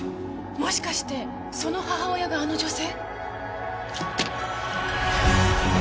もしかしてその母親があの女性？